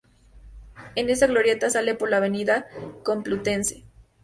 En esta glorieta sale por la Avenida Complutense.